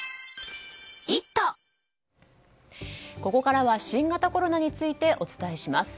ここからは新型コロナについてお伝えします。